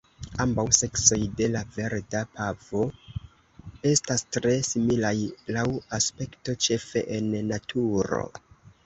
Ambaŭ seksoj de la Verda pavo estas tre similaj laŭ aspekto, ĉefe en naturo.